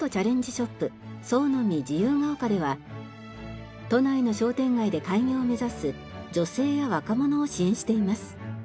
ショップ創の実自由が丘では都内の商店街で開業を目指す女性や若者を支援しています。